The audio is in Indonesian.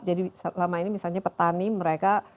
jadi selama ini misalnya petani mereka